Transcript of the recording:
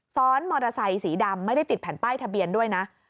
ซ้อนมอเตอร์ไซค์สีดำไม่ได้ติดแผ่นป้ายทะเบียนด้วยนะ